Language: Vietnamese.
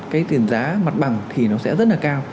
cái tiền giá mặt bằng thì nó sẽ rất là cao